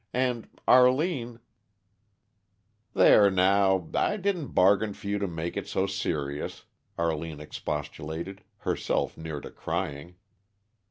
And Arline " "There, now I didn't bargain for you to make it so serious," Arline expostulated, herself near to crying.